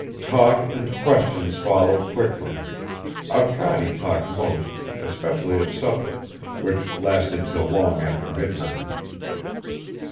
Talk and questions followed quickly; Arkady talked most, especially at supper, which lasted till long after midnight.